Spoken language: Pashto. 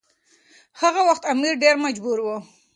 هغه وخت امیر ډیر مجبور و.